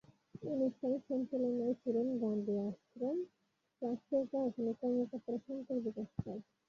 অনুষ্ঠান সঞ্চালনায় ছিলেন গান্ধী আশ্রম ট্রাস্টের প্রশাসনিক কর্মকর্তা শংকর বিকাশ পাল।